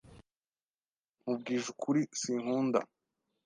Nkubwije ukuri, sinkunda.